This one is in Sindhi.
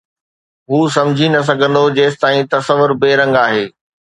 هو سمجھي نه سگھندو جيستائين تصور بي رنگ آهي